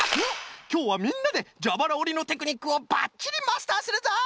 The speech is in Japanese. きょうはみんなでじゃばらおりのテクニックをばっちりマスターするぞ！